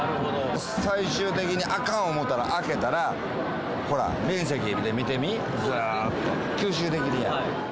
最終的にあかん思ったら、開けたら、ほら、面積で見てみ、ずーっと吸収できるやん。